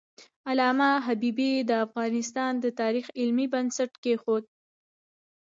علامه حبیبي د افغانستان د تاریخ علمي بنسټ کېښود.